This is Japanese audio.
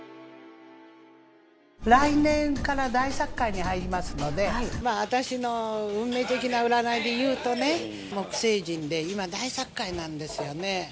来年から大殺界に入りますので、私の運命的な占いでいうとね、木星人で、今、大殺界なんですよね。